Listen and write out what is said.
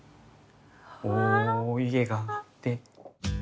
お湯気が上がって。